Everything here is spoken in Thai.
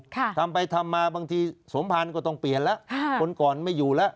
ทำไปทำมาบางทีสมภัณฑ์ต้องเปลี่ยนแล้วคนก่อนไม่อยู่เหล่ะ